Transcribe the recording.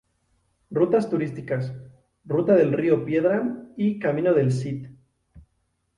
Rutas Turísticas: Ruta del Río Piedra y Camino del Cid.